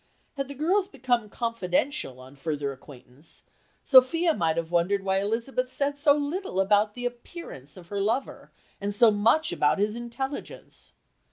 Had the girls become confidential on further acquaintance, Sophia might have wondered why Elizabeth said so little about the appearance of her lover, and so much about his intelligence.